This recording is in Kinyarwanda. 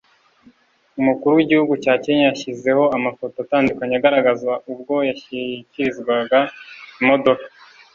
umukuru w‘igihugu cya Kenya yashyizeho amafoto atandukanye agaragaza ubwo yashyikirizaga imodoka